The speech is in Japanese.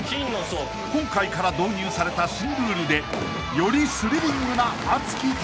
［今回から導入された新ルールでよりスリリングな熱き戦いに］